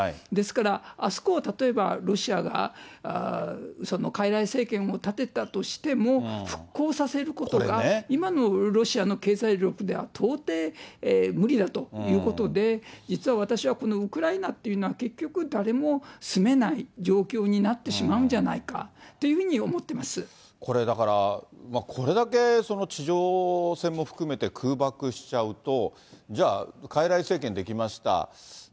ですから、あそこを例えば、ロシアがかいらい政権を立てたとしても、復興させることが、今のロシアの経済力では到底無理だということで、実は私はこのウクライナっていうのは、結局誰も住めない状況になってしまうんじゃないかというふうに思これ、だからこれだけ地上戦も含めて、空爆しちゃうと、じゃあ、かいらい政権出来ました。